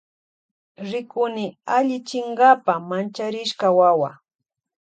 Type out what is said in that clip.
Rikuni allichinkapa mancharishka wawa.